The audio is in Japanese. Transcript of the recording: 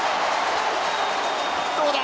どうだ？